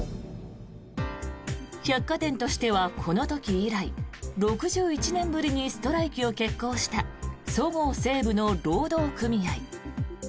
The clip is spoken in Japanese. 百貨店としてはこの時以来６１年ぶりにストライキを決行したそごう・西武の労働組合。